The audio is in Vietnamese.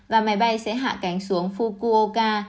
và máy bay sẽ hạ cánh xuống fukuoka